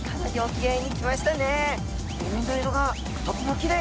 きれい！